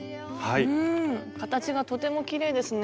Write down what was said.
うん形がとてもきれいですね。